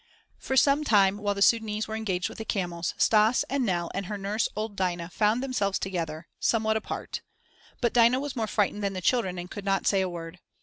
For some time, while the Sudânese were engaged with the camels, Stas and Nell and her nurse, old Dinah, found themselves together, somewhat apart. But Dinah was more frightened than the children and could not say a word.